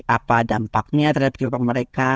apa dampaknya terhadap kehidupan mereka